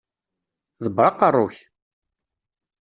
Ḍebber aqeṛṛu-k!